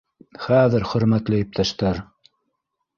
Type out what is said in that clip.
Хәҙер, хөрмәтле иптәштәр